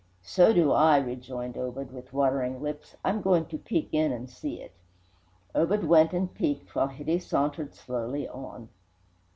"So do I!" rejoined Obed, with watering lips. "I'm going to peek in and see it." Obed went and "peeked," while Hitty sauntered slowly on.